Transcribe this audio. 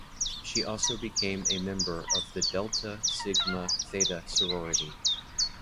She also became a member of the Delta Sigma Theta sorority.